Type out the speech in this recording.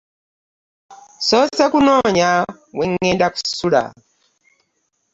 Nasoose kunoonya we ŋŋenda kusula.